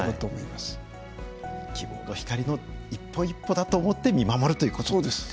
希望の光の一歩一歩だと思って見守るということですね。